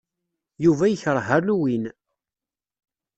Yuba ikṛeh Halloween.